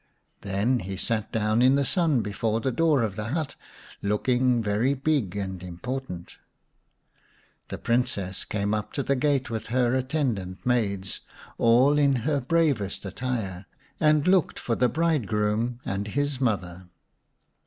Then he sat down in the sun before the door of the hut, looking very big and important. The Princess came up to the gate with her attendant maids, in all her bravest attire, and looked for the bridegroom and his mother.